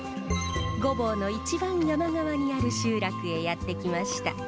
御坊の一番山側にある集落へやって来ました。